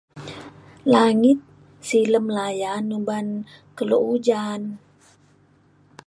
langit silem layan uban kelo ujan